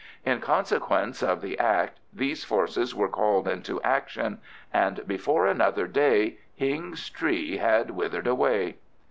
In consequence of the act these forces were called into action, and before another day Hing's tree had withered away.